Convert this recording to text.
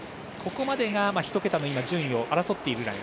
ここまでが１桁の順位を争っています。